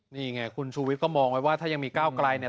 นี่ไงคุณชูวิทย์ก็มองไว้ว่าถ้ายังมีก้าวไกลเนี่ย